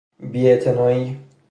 بی اعتنایی